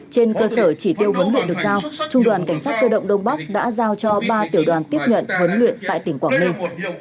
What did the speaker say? trên cơ sở chỉ tiêu huấn luyện được giao trung đoàn cảnh sát cơ động đông bắc đã giao cho ba tiểu đoàn tiếp nhận huấn luyện tại tỉnh quảng ninh